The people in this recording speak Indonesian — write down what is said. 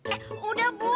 eh udah bu